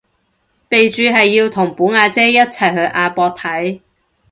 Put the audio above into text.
備註係要同本阿姐一齊去亞博睇